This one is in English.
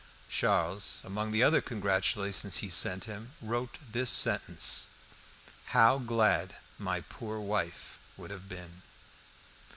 Charles, among the other congratulations he sent him, wrote this sentence "How glad my poor wife would have been!"